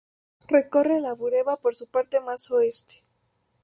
Recorre la Bureba por su parte más oeste.